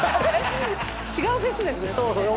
違うフェスですねそれね。